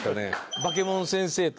バケモン先生と。